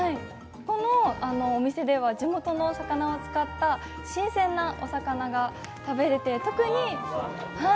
このお店では地元の魚を使った新鮮なお魚が食べれて。